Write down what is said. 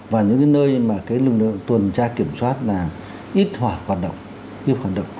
và những cái nơi mà cái lực lượng tuần tra kiểm soát là ít hoạt